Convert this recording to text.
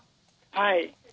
はい。